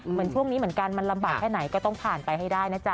เหมือนช่วงนี้เหมือนกันมันลำบากแค่ไหนก็ต้องผ่านไปให้ได้นะจ๊